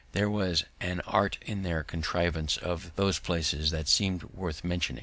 There was an art in their contrivance of those places that seems worth mention.